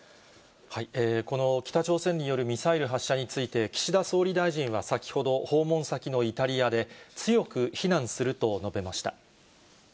この北朝鮮によるミサイル発射について、岸田総理大臣は先ほど、訪問先のイタリアで、強く非難すると述べました。